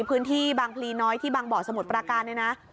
พื้นที่บางพลีน้อยที่บางบ่อสมุทรปราการเนี่ยนะ